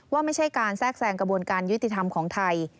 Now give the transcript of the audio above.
ว่าไม่ใช่การแทรกแทรงกระบวนการยุติธรรมของไทย